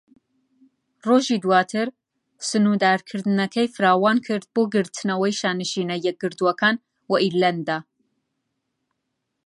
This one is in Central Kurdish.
ڕۆژی دواتر، سنوردارکردنەکەی فراوانکرد بۆ گرتنەوەی شانشینە یەکگرتووەکان و ئیرلەندا.